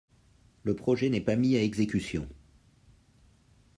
Le projet n'est pas mis à exécution.